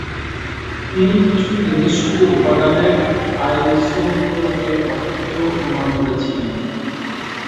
তিনি কিছু তেজস্ক্রিয় উপাদানের আইসোটোপের অস্তিত্বও প্রমাণ করেছিলেন।